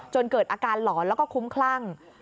เกิดอาการหลอนแล้วก็คุ้มคลั่ง